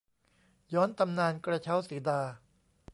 ย้อนตำนาน กระเช้าสีดา